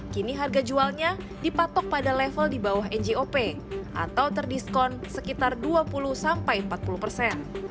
kini harga jualnya dipatok pada level di bawah njop atau terdiskon sekitar dua puluh sampai empat puluh persen